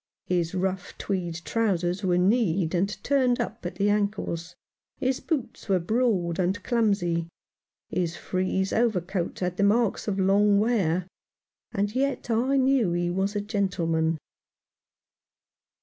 His rough tweed trousers were kneed and turned up at the ankles ; his boots were broad and clumsy ; his frieze over coat had the marks of long wear ; and yet I knew he was a gentleman.